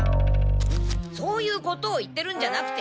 そういうことを言ってるんじゃなくて気持ち！